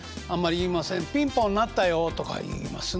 「ピンポン鳴ったよ」とか言いますね。